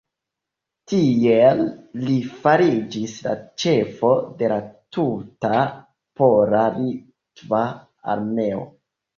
Tiel li fariĝis la ĉefo de la tuta pola-litva armeo.